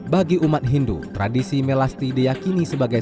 bagi umat hindu tradisi melasti diyakini sebagai